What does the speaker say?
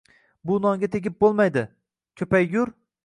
Bu nonga tegib bo‘lmaydi, ko‘paygur.